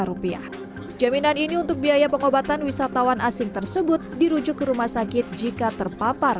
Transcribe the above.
rupiah jaminan ini untuk biaya pengobatan wisatawan asing tersebut dirujuk ke rumah sakit jika terpapar